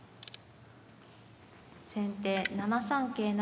先手７三桂成。